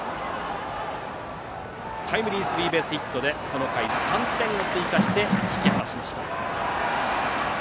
タイムリースリーベースヒットでこの回３点追加して引き離しました。